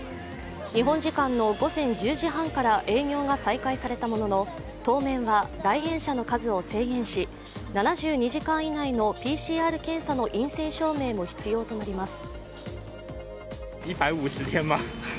日本時間の午前１０時半から営業が再開されたものの、当面は、来園者の数を制限し７２時間以内のＰＣＲ検査の陰性証明も必要となります。